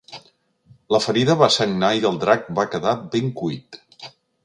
La ferida va sagnar i el drac va quedar ben cuit.